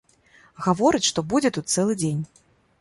Гаворыць, што будзе тут цэлы дзень.